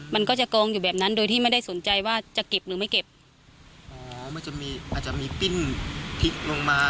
มันก็จะกองอยู่แบบนั้นโดยที่ไม่ได้สนใจว่าจะเก็บหรือไม่เก็บอ๋อมันจะมีอาจจะมีปิ้นพลิกลงมา